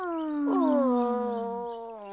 うん。